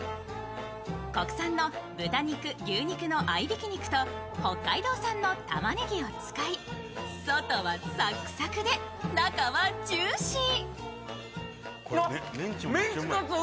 国産の豚肉、牛肉の合いびき肉と北海道産のたまねぎを使い外はサクサクで、中はジューシー。